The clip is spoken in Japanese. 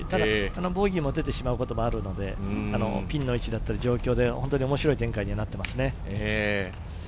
ボギーも出ていますので、ピンの位置だったり状況で面白い展開になっていますね。